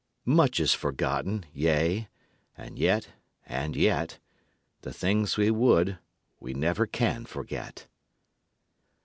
Much is forgotten, yea and yet, and yet, The things we would we never can forget.